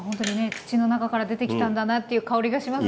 土の中から出てきたんだなという香りがしますね